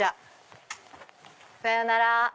さようなら。